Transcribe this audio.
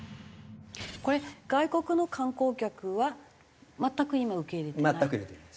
これ外国の観光客は全く今受け入れてない？